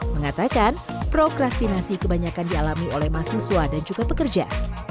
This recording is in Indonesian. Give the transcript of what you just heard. mengatakan prograstinasi kebanyakan dialami oleh mahasiswa dan juga pekerja